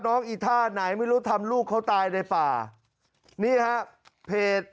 อีท่าไหนไม่รู้ทำลูกเขาตายในป่านี่ฮะเพจ